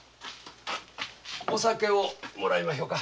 お酒をもらいましょうか。